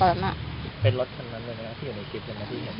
เป็นรถฉันนั้นด้วยนะครับที่อยู่ในคลิปนั้น